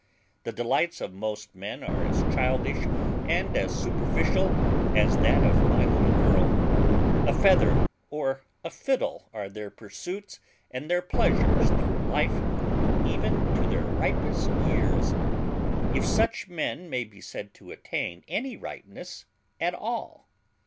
The delights of most men are as childish and as superficial as that of my little girl; a feather or a fiddle are their pursuits and their pleasures through life, even to their ripest years, if such men may be said to attain any ripeness at all.